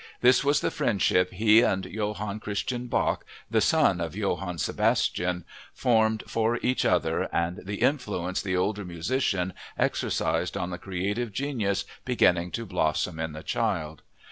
This was the friendship he and Johann Christian Bach, the son of Johann Sebastian, formed for each other and the influence the older musician exercised on the creative genius beginning to blossom in the child.